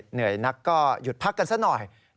เหนื่อยนักก็หยุดพักกันซะหน่อย